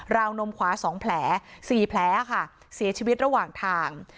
วนมขวา๒แผล๔แผลค่ะเสียชีวิตระหว่างทาง